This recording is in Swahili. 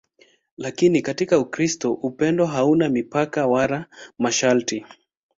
Lakini katika Ukristo upendo hauna mipaka wala masharti.